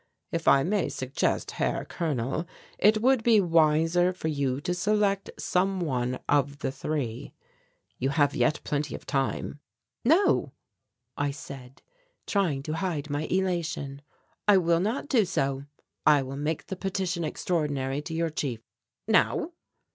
If I may suggest, Herr Colonel it would be wiser for you to select some one of the three you have yet plenty of time." "No," I said, trying to hide my elation. "I will not do so. I will make the Petition Extraordinary to your chief." "Now?"